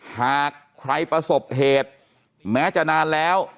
หากใครประสบเหตุแม้จะนานแล้ว